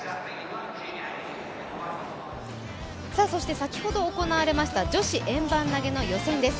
先ほど行われました女子円盤投の予選です。